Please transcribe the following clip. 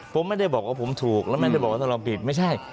ผมไม่ได้บอกว่าผมถูกแล้วไม่ได้บอกว่าถ้าเราผิดไม่ใช่